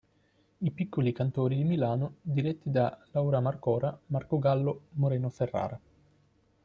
I Piccoli Cantori di Milano diretti da Laura Marcora, Marco Gallo, Moreno Ferrara.